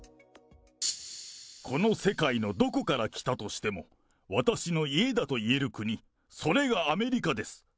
この世界のどこから来たとしても、私の家だと言える国、それがアメリカです。